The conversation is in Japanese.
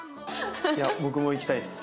いや僕も行きたいです。